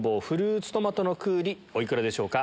お幾らでしょうか？